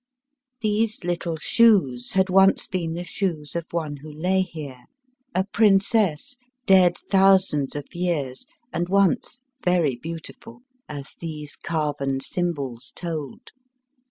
These little shoes had once been the shoes of one who lay here, a princess, dead thousands of years, and once very beautiful, as these carven symbols told.